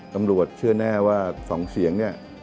ทำรวจเชื่อแน่ว่าสองเสียง